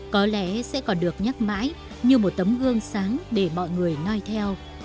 có lẽ sẽ còn được nhắc mãi như một tấm gương sáng để mọi người nói theo